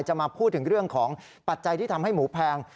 มาพูดถึงเรื่องของปัจจัยที่ทำให้หมูแพง